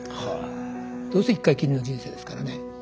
どうせ一回きりの人生ですからね。